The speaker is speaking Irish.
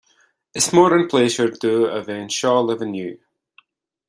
Is mór an pléisiúr dom a bheith anseo libh inniu